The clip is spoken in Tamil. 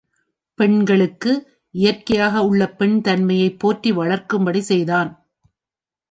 பெண்களுக்கு இயற்கையாக உள்ள பெண் தன்மையை போற்றி வளர்க்கும்படிச் செய்தான்.